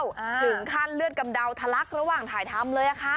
ถึงขั้นเลือดกำเดาทะลักระหว่างถ่ายทำเลยค่ะ